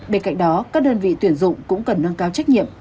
bên cạnh đó các đơn vị tuyển dụng cũng cần nâng cao trách nhiệm